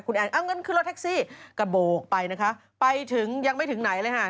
คุณแอนเอาเงินขึ้นรถแท็กซี่กระโบกไปนะคะไปถึงยังไม่ถึงไหนเลยค่ะ